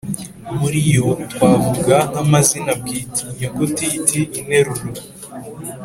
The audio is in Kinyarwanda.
muri yo twavuga nk’amazina bwite, inyuguti it interuro.